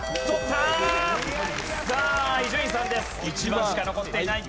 １番しか残っていない。